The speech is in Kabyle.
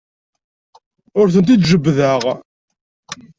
Ur tent-id-jebbdeɣ.